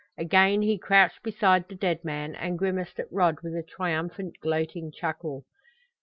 Again he crouched beside the dead man, and grimaced at Rod with a triumphant, gloating chuckle.